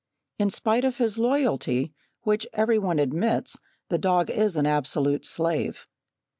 In spite of his loyalty, which every one admits, the dog is an absolute slave.